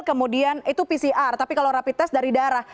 kemudian itu pcr tapi kalau rapid test dari darah